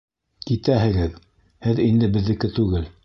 Китәһегеҙ, һеҙ инде беҙҙеке түгел!